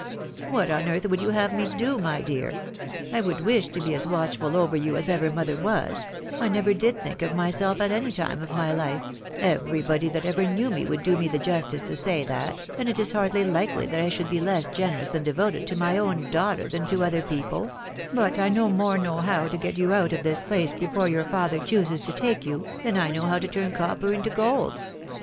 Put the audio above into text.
" What on earth would you have me do, N 2' 212 THE WIDOW MARRIED. my dear? I would wish to be as watchful OTer you as ever mother was — ^I never did think of myself at any time of my life — everybody that ever knew me would do me the justice to Bay that, and it is hardly hkely that I should be less generous and devoted to my own daughter \than to other people ; but I no more know how to get you out of this place, before your father chooses to take you, than I know how to turn copper into gold."